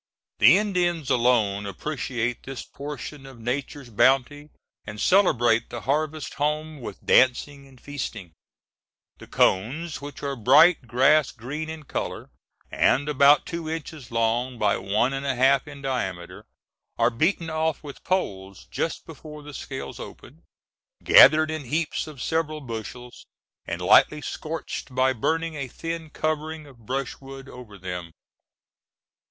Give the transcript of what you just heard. The Indians alone appreciate this portion of Nature's bounty and celebrate the harvest home with dancing and feasting. The cones, which are a bright grass green in color and about two inches long by one and a half in diameter, are beaten off with poles just before the scales open, gathered in heaps of several bushels, and lightly scorched by burning a thin covering of brushwood over them.